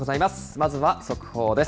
まずは速報です。